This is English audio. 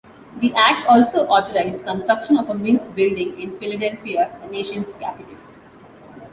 The Act also authorized construction of a mint building in Philadelphia, the nation's capital.